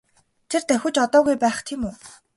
Тэр давхиж одоогүй байх тийм үү?